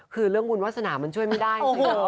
คือเรื่องบุญวาสนามันช่วยไม่ได้